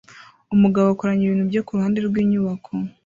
Umugabo akoranya ibintu bye kuruhande rwinyubako